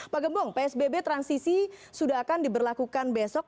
pak gembong psbb transisi sudah akan diberlakukan besok